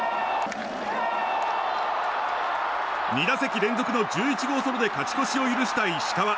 ２打席連続の１１号ソロで勝ち越しを許した石川。